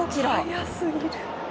速すぎる！